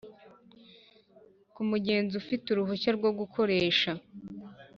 Ku mugenzi ufite uruhushya rwo gukoresha